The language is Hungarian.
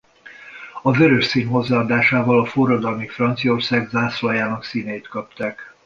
A vörös szín hozzáadásával a forradalmi Franciaország zászlajának színeit kapták.